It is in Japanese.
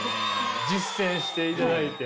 実践していただいて。